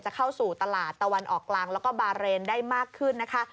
เข้าสู่ตลาดตะวันออกกลางแล้วก็บาเรนได้มากขึ้นนะคะ